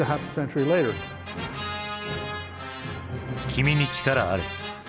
「君に力あれ」。